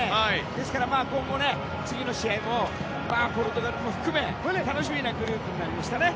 だから、今後も次の試合もポルトガルも含め楽しみなグループになりました。